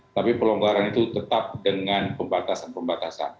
tapi pelonggaran itu tetap dengan pembatasan pembatasan